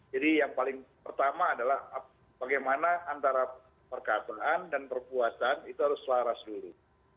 jadi yang paling pertama adalah bagaimana antara perkataan dan perpuatan itu harus selaras dulu